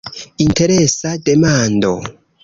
Interesa demando!